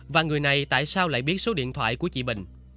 và người này tại sao lại biết số điện thoại của chị bình